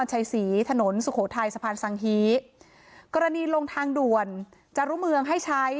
ชัยศรีถนนสุโขทัยสะพานสังฮีกรณีลงทางด่วนจารุเมืองให้ใช้